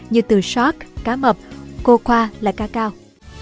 như từ shark cá mập coca là ca cao